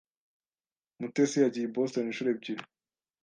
Mutesi yagiye i Boston inshuro ebyiri.